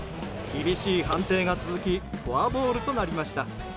厳しい判定が続きフォアボールとなりました。